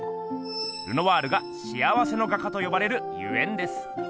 ルノワールが「幸せの画家」とよばれるゆえんです。